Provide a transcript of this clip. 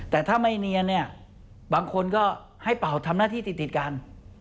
แต่ถ้าไม่เนียนเนี่ยบางคนก็ให้เป่าทำหน้าที่ติดกัน